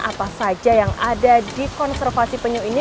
apa saja yang ada di konservasi penyu ini